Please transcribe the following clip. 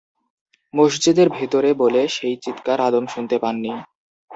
মসজিদের ভেতরে বলে সেই চিৎকার আদম শুনতে পাননি।